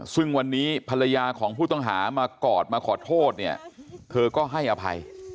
ซึ่งวันนี้ภรรยาของผู้ต้องหามากอดมาขอโทษเนี่ยเธอก็ให้อภัย